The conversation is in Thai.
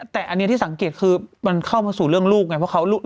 แต่อันนี้ที่สังเกตคือมันเข้ามาสู่เรื่องลูกไงเพราะเขา